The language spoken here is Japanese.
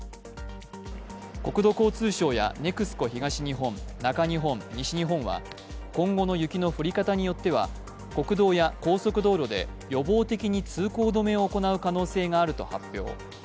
国土交通省やＮＥＸＣＯ東日本、中日本、西日本は今後の雪の降り方によっては国道や高速道路で予防的に通行止めを行う可能性があると発表。